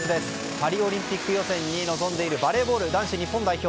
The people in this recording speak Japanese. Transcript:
パリオリンピック予選に臨んでいるバレーボール男子日本代表。